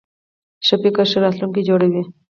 ښه فکر ښه راتلونکی جوړوي.